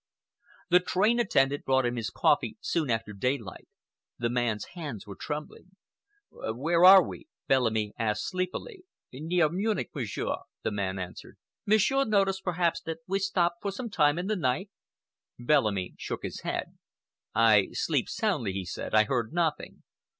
The train attendant brought him his coffee soon after daylight. The man's hands were trembling. "Where are we?" Bellamy asked sleepily. "Near Munich, Monsieur," the man answered. "Monsieur noticed, perhaps, that we stopped for some time in the night?" Bellamy shook his head. "I sleep soundly," he said. "I heard nothing."